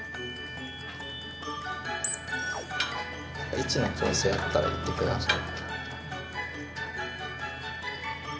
位置の調整あったら言って下さい。